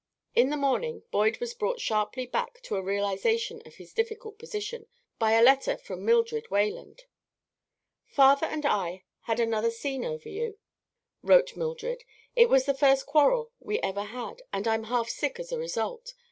In the morning Boyd was brought sharply back to a realization of his difficult position by a letter from Mildred Wayland. "Father and I had another scene over you," wrote Mildred. "It was the first quarrel we ever had, and I'm half sick as a result.